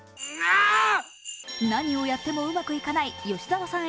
何をやってもうまくいかない吉沢さん